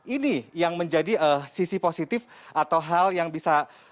ini yang menjadi sisi positif atau hal yang bisa